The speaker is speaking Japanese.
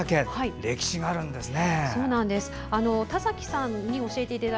歴史があるんですね。